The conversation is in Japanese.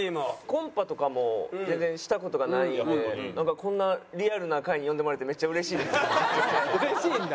コンパとかも全然した事がないんでなんかこんなリアルな会に呼んでもらえて嬉しいんだ。